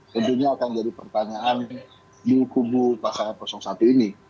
tentunya akan jadi pertanyaan di kubu pasangan satu ini